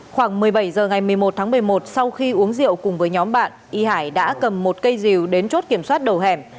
khoảng một mươi bảy h ngày một mươi một tháng một mươi một sau khi uống rượu cùng với nhóm bạn y hải đã cầm một cây dìu đến chốt kiểm soát đầu hẻm